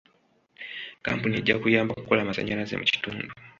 Kampuni ejja kuyamba kukola amasannyalaze mu kitundu.